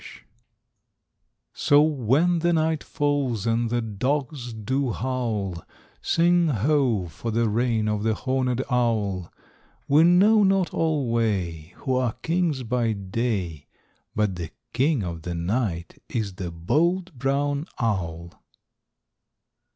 Mosby. So when the night falls and the dogs do howl, Sing ho! for the reign of the horned owl. We know not alway Who are kings by day, But the king of the night is the bold brown owl.